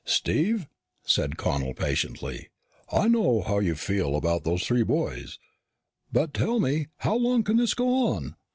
"Steve," said Connel patiently, "I know how you feel about those three boys, but tell me, how long can this go on?